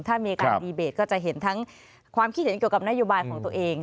ถ้ามีการดีเบตก็จะเห็นทั้งความคิดเห็นเกี่ยวกับนโยบายของตัวเอง